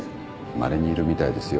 まれにいるみたいですよ。